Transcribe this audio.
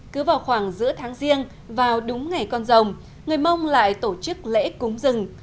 cứ vào khoảng giữa tháng riêng vào đúng ngày con rồng người mông lại tổ chức lễ cúng rừng